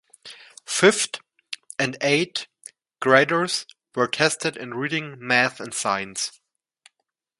Fifth and eighth graders were tested in reading, math and science.